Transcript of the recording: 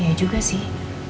iya juga sih